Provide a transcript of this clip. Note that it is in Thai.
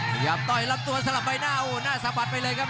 พยายามต่อยลำตัวสลับใบหน้าโอ้หน้าสะบัดไปเลยครับ